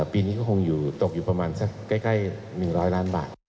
ปีนี้ก็คงอยู่ตกอยู่ประมาณสักใกล้๑๐๐ล้านบาท